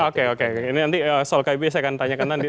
oke oke ini nanti soal kib saya akan tanyakan nanti